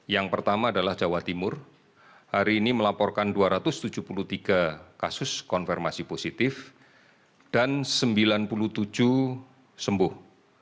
yang pertama adalah jawa timur hari ini melaporkan dua ratus tujuh puluh tiga kasus konfirmasi positif dan sembilan puluh tujuh sembuh